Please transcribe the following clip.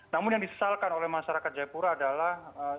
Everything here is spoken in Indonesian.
namun yang disesalkan oleh masyarakat jaya pura adalah